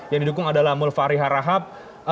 yang didukung adalah mulfari harahap